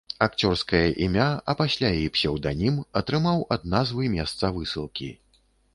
Акцёрскае імя, а пасля і псеўданім, атрымаў ад назвы месца высылкі.